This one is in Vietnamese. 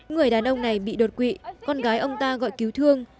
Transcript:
người đàn ông này bị đột quỵ con gái ông ta gọi cứu thương